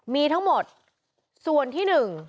มีทั้งหมดส่วนที่๑